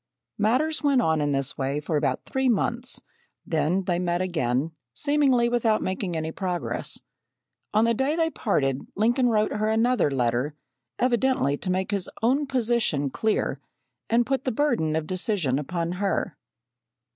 Matters went on in this way for about three months; then they met again, seemingly without making any progress. On the day they parted, Lincoln wrote her another letter, evidently to make his own position clear and put the burden of decision upon her.